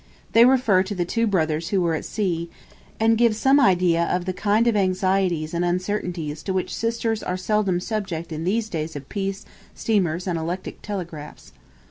They refer to the two brothers who were at sea, and give some idea of a kind of anxieties and uncertainties to which sisters are seldom subject in these days of peace, steamers, and electric telegraphs.